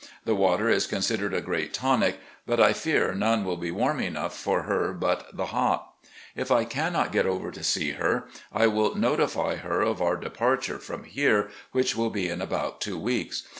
The water is considered a THE NEW HOME IN LEXINGTON 367 great tonic, but I fear none will be warm enough for her but the Hot. If I carmot get over to see her, I will notify her of our departure from here, which will be in about two weeks.